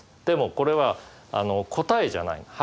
でもこれは答えじゃない。